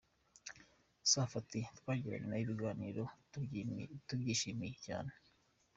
Safi ati “Twagiranye na we ibiganiro, yatwishimiye cyane.